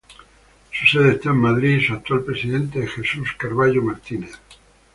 Su sede está en Madrid y su actual presidente es Jesús Carballo Martínez.